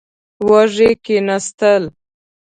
وږي کېناستل.